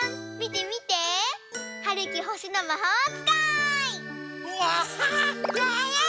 みてみて！はるきほしのまほうつかい！